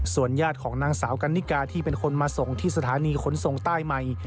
ญาติของนางสาวกันนิกาที่เป็นคนมาส่งที่สถานีขนส่งใต้ใหม่